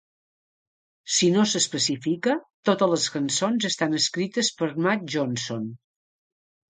Si no s'especifica, totes les cançons estan escrites per Matt Johnson.